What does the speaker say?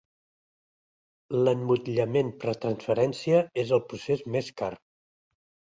L'emmotllament per transferència és el procés més car.